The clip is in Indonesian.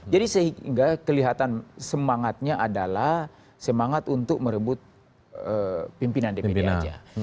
jadi sehingga kelihatan semangatnya adalah semangat untuk merebut pimpinan dpd saja